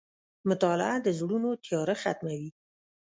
• مطالعه د زړونو تیاره ختموي.